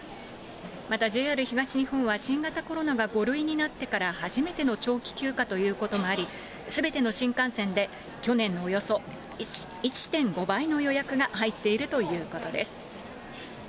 またＪＲ東日本は新型コロナが５類になってから初めての長期休暇ということもあり、すべての新幹線で去年のおよそ１．５倍の予約が入っているということです。